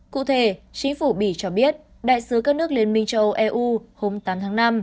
cụ thể chính phủ bỉ cho biết đại sứ các nước liên minh châu âu eu hôm tám tháng năm